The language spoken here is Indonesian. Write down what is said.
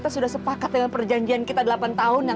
sampai jumpa di video selanjutnya